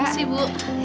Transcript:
terima kasih bu